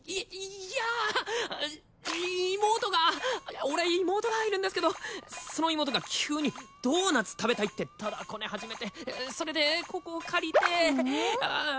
いいやいっ妹が俺妹がいるんですけどその妹が急にドーナツ食べたいって駄々こね始めてそれでここを借りてうん？